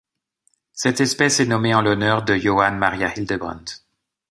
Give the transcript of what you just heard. Cette espèce est nommée en l'honneur de Johann Maria Hildebrandt.